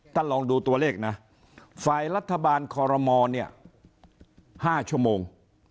ลองดูตัวเลขนะฝ่ายรัฐบาลคอรมอลเนี่ย๕ชั่วโมง